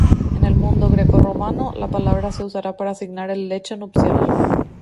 En el mundo greco-romano la palabra se usará para asignar el lecho nupcial.